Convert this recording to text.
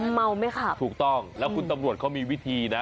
เมาไม่ขับถูกต้องแล้วคุณตำรวจเขามีวิธีนะ